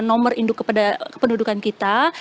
nomor induk kepada pendudukan kita